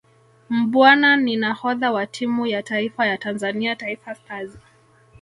Mbwana ni nahodha wa timu ya taifa ya Tanzania Taifa Stars